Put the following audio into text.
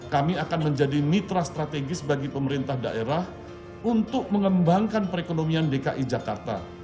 kami akan menjadi mitra strategis bagi pemerintah daerah untuk mengembangkan perekonomian dki jakarta